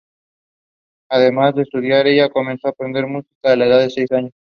Además de estudiar, ella comenzó aprender música a la edad de seis años.